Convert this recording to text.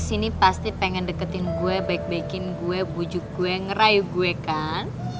itu bukan serakah